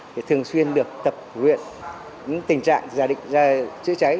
thì thường xuyên được tập huyện tình trạng giả định ra chữa cháy